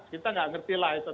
kita tidak mengerti lah itu